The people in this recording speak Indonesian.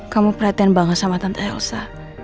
kamu perhatian banget sama tante elsa